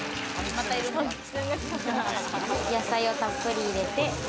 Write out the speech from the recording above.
野菜をたっぷり入れて。